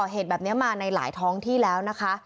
เหตุแบบนี้มาในหลายท้องที่แล้วนะคะ